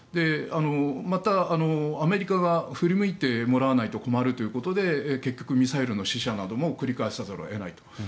また、アメリカに振り向いてもらわないと困るということで結局ミサイルの試射なども繰り返しざるを得ないと。